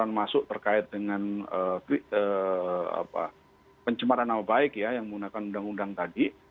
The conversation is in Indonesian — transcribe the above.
termasuk terkait dengan pencemaran nama baik yang menggunakan undang undang tadi